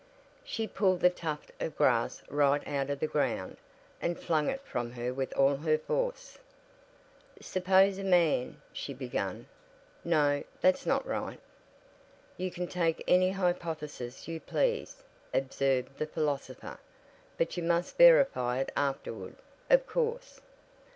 She pulled the tuft of grass right out of the ground, and flung it from her with all her force. "Suppose a man " she began. "No, that's not right." "You can take any hypothesis you please," observed the philosopher, "but you must verify it afterward, of course."